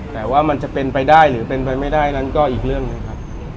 แต่ว่ามันจะเป็นไปได้หรือเป็นไปไม่ได้นั้นก็อีกเรื่องหนึ่งครับ